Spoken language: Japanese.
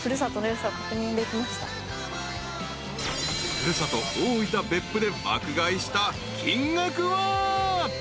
［古里大分別府で爆買いした金額は］